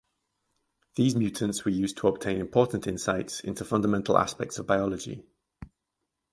These mutants were used to obtain important insights into fundamental aspects of biology.